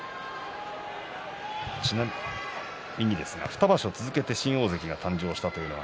ちなみにですが２場所続けて新大関が誕生したのは